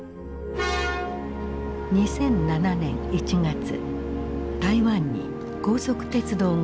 ２００７年１月台湾に高速鉄道が開業した。